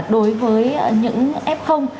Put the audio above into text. đối với những f